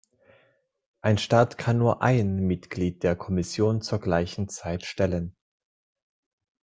Ein Staat kann nur ein Mitglied der Kommission zur gleichen Zeit stellen.